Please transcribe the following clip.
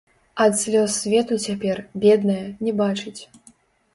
Ад слёз свету цяпер, бедная, не бачыць.